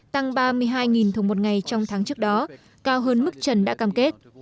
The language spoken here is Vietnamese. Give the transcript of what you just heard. tăng ba mươi hai thùng một ngày trong tháng trước đó cao hơn mức trần đã cam kết